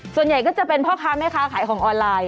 ส่วนใหญ่ก็จะเป็นพ่อค้าแม่ค้าขายของออนไลน์